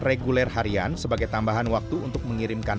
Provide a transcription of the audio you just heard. reguler harian sebagai tambahan waktu untuk menerima barang